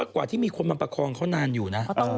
กว่าที่มีคนมาประคองเขานานอยู่นะ